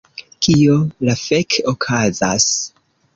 Kio la fek okazas...?